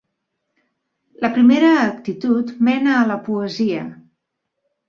La primera actitud mena a la poesia.